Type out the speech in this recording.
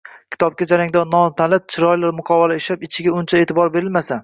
kitobga jarangdor nom tanlab, chiroyli muqovalar ishlab, ichiga uncha e’tibor berilmasa